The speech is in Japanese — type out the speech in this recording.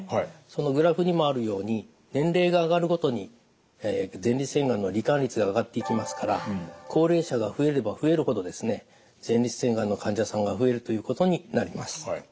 そのグラフにもあるように年齢が上がるごとに前立腺がんの罹患率が上がっていきますから高齢者が増えれば増えるほどですね前立腺がんの患者さんが増えるということになります。